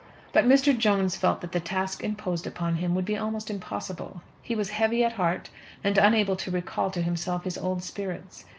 But Mr. Jones felt that the task imposed upon him would be almost impossible. He was heavy at heart, and unable to recall to himself his old spirits.